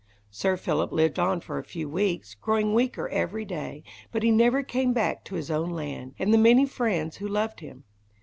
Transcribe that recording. Sir Philip lived on for a few weeks, growing weaker every day, but he never came back to his own land, and the many friends who loved him.